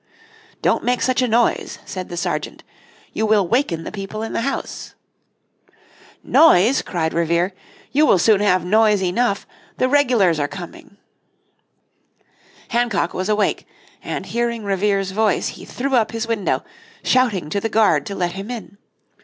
"Don't make such a noise," said the sergeant, "you will waken the people in the house." "Noise," cried Revere, "you will soon have noise enough the regulars are coming." Hancock was awake, and hearing Revere's voice he threw up his window, shouting to the guard to let him in.